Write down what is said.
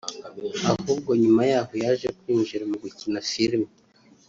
ahubwo nyuma yaho yaje kwinjira mu gukina Filime